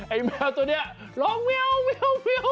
ไอ้แมวตัวเนี่ยลองเวียว